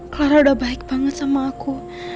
clara udah baik banget sama aku